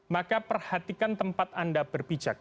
maka perhatikan tempat anda berpijak